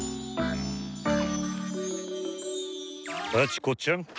バチコちゃん。